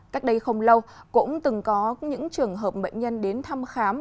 cách đây không lâu cũng từng có những trường hợp bệnh nhân đến thăm khám